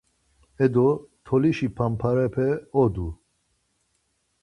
Edo, tolişi pamparepe odu.